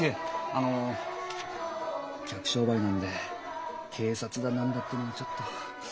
あの客商売なんで警察だ何だっていうのはちょっと。